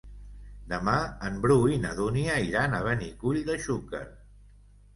Demà en Bru i na Dúnia iran a Benicull de Xúquer.